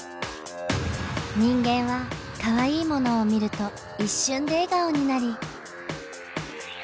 人間はかわいいものを見ると一瞬で笑顔になり。